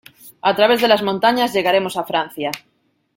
A través de las montañas llegaremos a Francia.